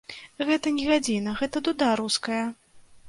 Гэта не гадзіна, гэта дуда руская.